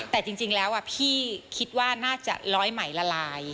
แต่จริงแล้วพี่คิดว่าน่าจะร้อยไหมละลาย